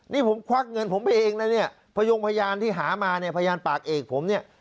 นี่ผมควักเงินผมไปเองนะเนี่ยพยงพยานที่หามาเนี่ยพยานปากเอกผมเนี่ย